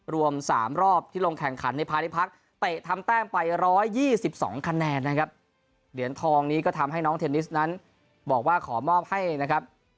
รวม๓รอบที่ลงแข่งขันในพาณิพักษ์เตะทำแต้มไป๑๒๒คะแนนนะครับเหรียญทองนี้ก็ทำให้น้องเทนนิสนั้นบอกว่าขอมอบให้นะครับ